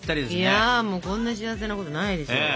いやもうこんな幸せなことないですよ。